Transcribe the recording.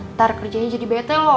ntar kerjanya jadi bete loh